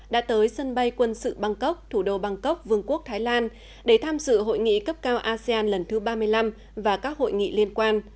đã tới sân bay quân sự bangkok thủ đô bangkok vương quốc thái lan để tham dự hội nghị cấp cao asean lần thứ ba mươi năm và các hội nghị liên quan